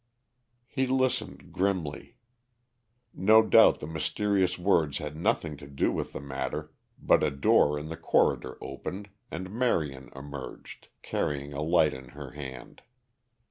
He listened grimly. No doubt the mysterious words had nothing to do with the matter, but a door in the corridor opened, and Marion emerged, carrying a light in her hand.